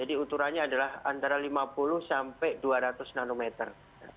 jadi ukurannya adalah antara lima puluh sampai dua ratus nanometer